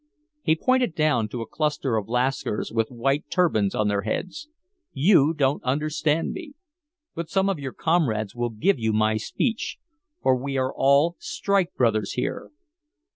He pointed down to a cluster of Lascars with white turbans on their heads. "You don't understand me. But some of your comrades will give you my speech, for we are all strike brothers here.